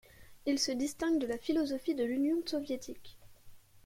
Il se distingue de la philosophie de l'Union soviétique.